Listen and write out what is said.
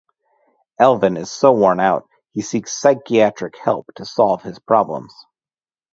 Alvin is so worn-out he seeks psychiatric help to solve his problems.